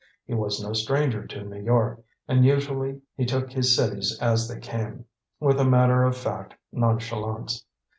He was no stranger to New York, and usually he took his cities as they came, with a matter of fact nonchalance.